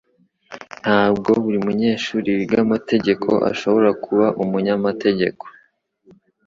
Ntabwo buri munyeshuri wiga amategeko ashobora kuba umunyamategeko.